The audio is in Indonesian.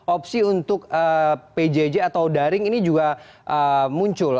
opsi untuk pjj atau daring ini juga muncul